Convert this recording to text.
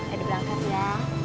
eda berangkat ya